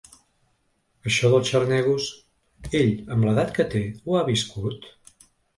Això dels xarnegos … Ell amb l’edat que té ho ha viscut?